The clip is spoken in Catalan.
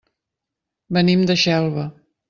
Venim de Xelva.